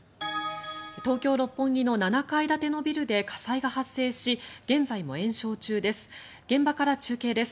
東京・六本木の７階建てのビルで火災が発生し現在も延焼中です。